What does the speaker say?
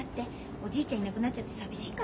おじいちゃんいなくなっちゃって寂しいから。